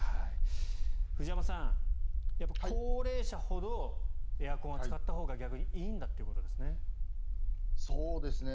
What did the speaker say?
藤山さん、高齢者ほどエアコンは使ったほうが逆にいいんだということですね。